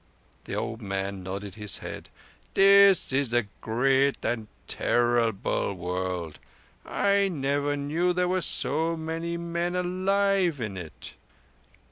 The old man nodded his head. "This is a great and terrible world. I never knew there were so many men alive in it."